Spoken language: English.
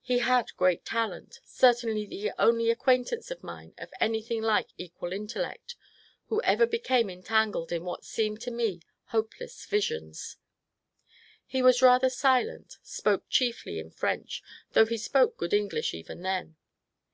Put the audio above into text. He had great tal ent, — certainly the only acquaintance of mine of anything like equal inteUect who ever became entangled in what seemed to me hopeless visions. He was rather silent, spoke chiefly in French, though he spoke good English even then.